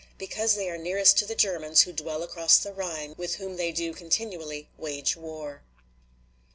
"Because they are nearest to the Germans, who dwell across the Rhine, with whom they do continually wage war."